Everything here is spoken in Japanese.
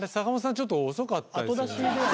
ちょっと遅かったですよね